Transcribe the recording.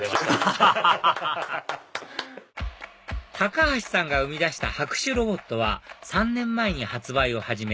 アハハハハ橋さんが生み出した拍手ロボットは３年前に発売を始め